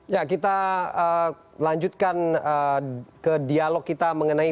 ya kita lanjutkan ke dialog kita mengenai